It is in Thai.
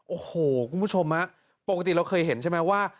โอ้โหคุณผู้ชมปกติเราเคยเห็นใช่ไหมว่า